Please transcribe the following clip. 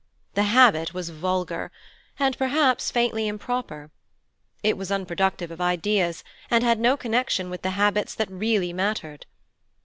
The habit was vulgar and perhaps faintly improper: it was unproductive of ideas, and had no connection with the habits that really mattered.